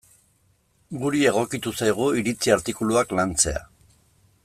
Guri egokitu zaigu iritzi artikuluak lantzea.